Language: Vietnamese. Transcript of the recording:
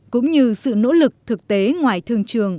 cũng như sự nỗ lực thực tế ngoài thương trường